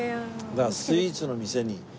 だからスイーツの店に。